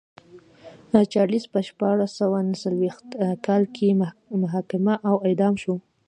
چارلېز په شپاړس سوه نه څلوېښت کال کې محاکمه او اعدام شو.